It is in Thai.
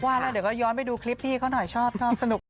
แล้วเดี๋ยวก็ย้อนไปดูคลิปพี่เขาหน่อยชอบสนุก